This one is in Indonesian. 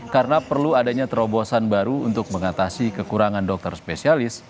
karena perlu adanya terobosan baru untuk mengatasi kekurangan dokter spesialis